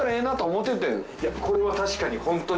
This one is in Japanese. いやこれは確かにホントにいいね。